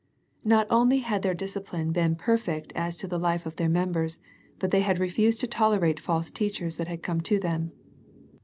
Not only had their dis cipline been perfect as to the life of their mem bers, but they had refused to tolerate the false teachers that had come to them.